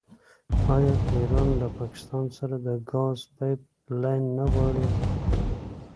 آیا ایران له پاکستان سره د ګاز پایپ لاین نه غواړي؟